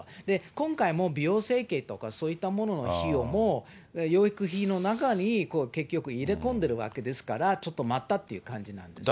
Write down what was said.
今回も美容整形とかそういったものの費用も、養育費の中に結局入れ込んでるわけですから、ちょっと待ったって感じなんですね。